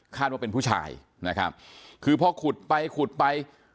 ว่าเป็นผู้ชายนะครับคือพอขุดไปขุดไป